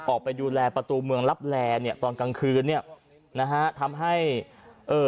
ออกไปดูแลประตูเมืองลับแลเนี่ยตอนกลางคืนเนี้ยนะฮะทำให้เอ่อ